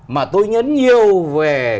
mà tôi nhấn nhiều về